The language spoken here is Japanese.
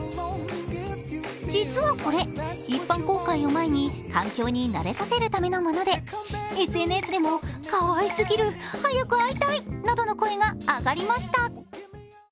実はこれ、一般公開を前に環境に慣れさせるためのものでＳＮＳでもかわいすぎる早く会いたいなどの声が上がりました。